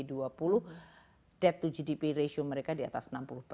dan data rasio mereka di atas enam puluh